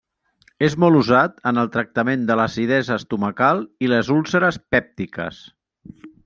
És molt usat en el tractament de l'acidesa estomacal i les úlceres pèptiques.